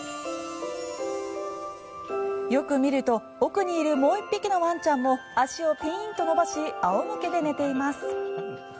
よく見ると奥にいるもう１匹のワンちゃんも足をピーンと伸ばし仰向けで寝ています。